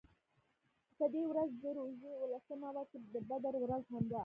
په دې ورځ د روژې اوولسمه وه چې د بدر ورځ هم وه.